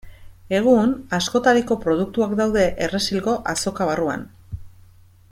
Egun, askotariko produktuak daude Errezilgo Azoka barruan.